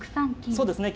そうですね